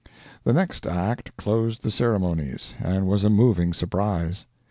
The next act closed the ceremonies, and was a moving surprise.